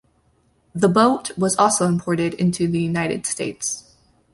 The boat was also imported into the United States.